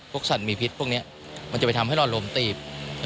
สัตว์มีพิษพวกนี้มันจะไปทำให้รอดลมตีบ